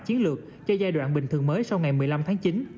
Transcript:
chiến lược cho giai đoạn bình thường mới sau ngày một mươi năm tháng chín